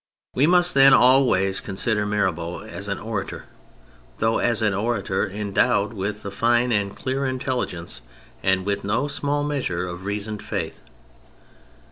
We must then always consider Mirabeau as an orator, though an orator endowed with a fine and clear intelli gence and with no small measure of reasoned faith.